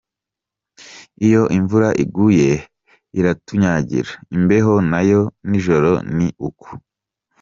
Iyo imvura iguye iratunyagira ; imbeho nayo nijoro ni uko.